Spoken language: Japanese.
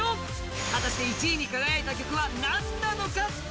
果たして１位に輝いた曲は何なのか？